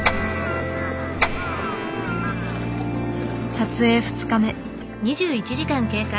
撮影２日目。